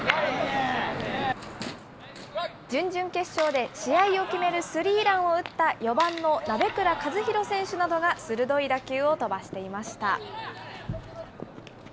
準々決勝で試合を決めるスリーランを打った４番の鍋倉和弘選手などが鋭い打球を飛ばしていました。